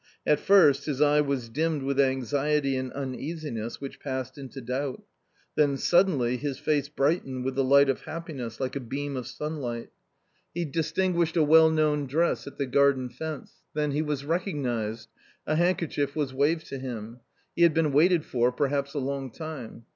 Atfirst his eye was dimmed with anxiety and uneasiness, which passed into doubt. Then suddenly his face brightened with the light of happiness, like a beam of sunlight. He 84 A COMMON STORY distinguished a well known dress at the garden fence ; then he was recognised, a handkerchief was waved to him. He had been waited for perhaps a long time.